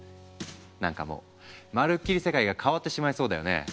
何かもうまるっきり世界が変わってしまいそうだよね。